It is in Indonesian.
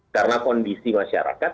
karena kondisi masyarakat